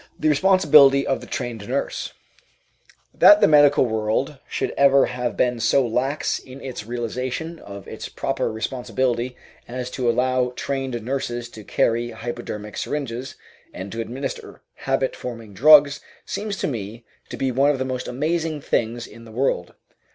RESPONSIBILITY OF THE TRAINED NURSE That the medical world should ever have been so lax in its realization of its proper responsibility as to allow trained nurses to carry hypodermic syringes and to administer habit forming drugs seems to me to be one of the most amazing things in the world.